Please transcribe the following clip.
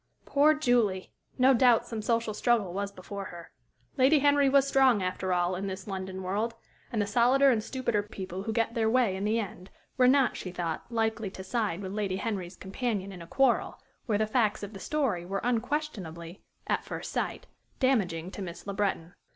Poor Julie! No doubt some social struggle was before her. Lady Henry was strong, after all, in this London world, and the solider and stupider people who get their way in the end were not, she thought, likely to side with Lady Henry's companion in a quarrel where the facts of the story were unquestionably, at first sight, damaging to Miss Le Breton.